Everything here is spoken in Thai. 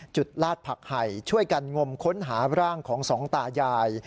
ลาดผักไห่ช่วยกันงมค้นหาร่างของสองตายาย